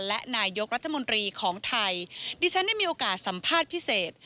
และนายกรัฐมนตรีของไทยดิฉันได้มีโอกาสสัมภาษณ์พิเศษ